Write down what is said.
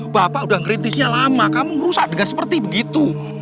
bapak udah kritisnya lama kamu ngerusak dengan seperti begitu